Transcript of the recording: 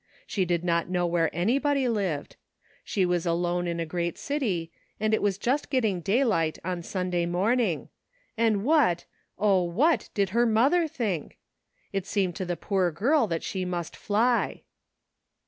She did not know where anybody lived ; she was alone in a great city, and it was just getting daylight on Sunday morning; and what, O, what did her mother think ? It seemed to the poor girl that she must fly.